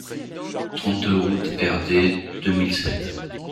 trente-deux route Rd deux mille sept